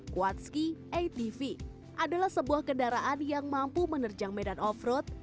quadski atv adalah sebuah kendaraan yang mampu menerjang medan off road